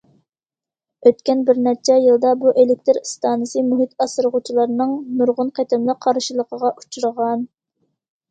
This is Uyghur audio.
ئۆتكەن بىر نەچچە يىلدا، بۇ ئېلېكتىر ئىستانسىسى مۇھىت ئاسرىغۇچىلارنىڭ نۇرغۇن قېتىملىق قارشىلىقىغا ئۇچرىغان.